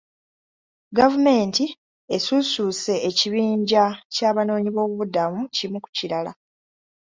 Gavumenti esuusuuse ekibinja ky'abanoonyiboobubudamu kimu ku kirala.